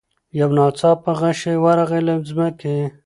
یو ناڅاپه غشی ورغی له مځکي